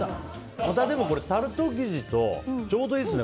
タルト生地とちょうどいいですね。